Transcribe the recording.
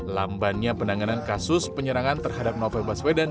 lambannya penanganan kasus penyerangan terhadap novel baswedan